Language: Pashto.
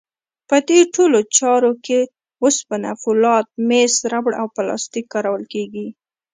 په دې ټولو چارو کې وسپنه، فولاد، مس، ربړ او پلاستیک کارول کېږي.